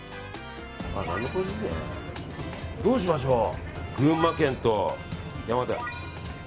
どうしましょう群馬県と山形。